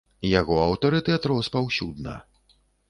Яго аўтарытэт рос паўсюдна.